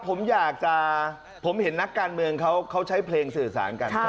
ผมเห็นนักการเมืองเขาใช้เพลงสื่อสารกัน